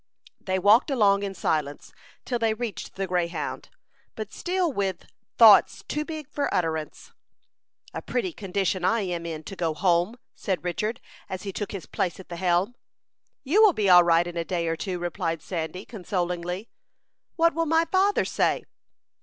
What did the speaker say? They walked along in silence, till they reached the Greyhound, but still with "thoughts too big for utterance." "A pretty condition I am in to go home," said Richard, as he took his place at the helm. "You will be all right in a day or two," replied Sandy, consolingly. "What will my father say?"